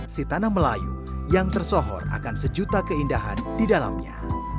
si tanam melayu yang tersohor akan sejuta keindahan di dalamnya